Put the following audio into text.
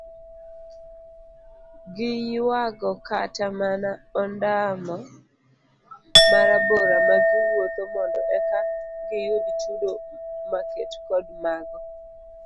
Giyuago kata mana ondamo marabora magiwuotho mondo eka giyud chudo maket kod mago